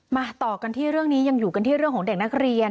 มาต่อกันที่เรื่องนี้ยังอยู่กันที่เรื่องของเด็กนักเรียน